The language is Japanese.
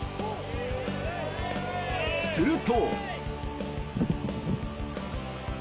すると。